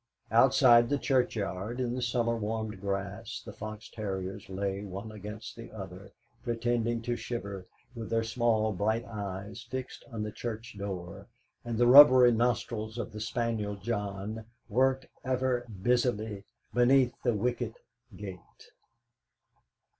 Outside the churchyard, in the sun warmed grass, the fox terriers lay one against the other, pretending to shiver, with their small bright eyes fixed on the church door, and the rubbery nostrils of the spaniel John worked ever busily beneath the wicket gate.